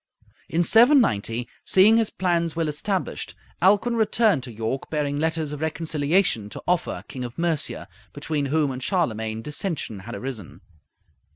In 790, seeing his plans well established, Alcuin returned to York bearing letters of reconciliation to Offa, King of Mercia, between whom and Charlemagne dissension had arisen.